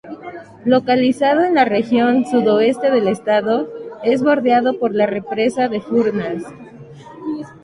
Localizado en la región sudoeste del estado, es bordeado por la Represa de Furnas.